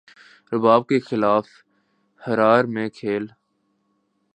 زمباب کے خلاف ہرار میں کھیل